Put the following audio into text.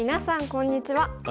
こんにちは。